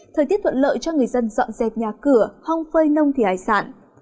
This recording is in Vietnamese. thời tiết thuận lợi cho người dân dọn dẹp nhà cửa không phơi nông thị hải sản